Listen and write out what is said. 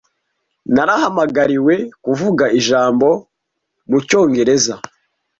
Nahamagariwe kuvuga ijambo mucyongereza.